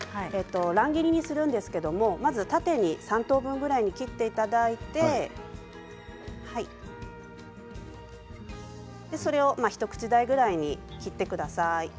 乱切りにするんですけれどまず縦に３等分くらいに切っていただいてそれを一口大くらいに切ってください。